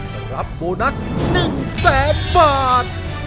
แต่รับโบนัส๑๐๐๐บาท